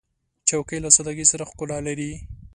چوکۍ له سادګۍ سره ښکلا لري.